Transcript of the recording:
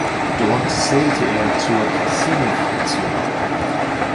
Dort zählte er zur Casino-Fraktion.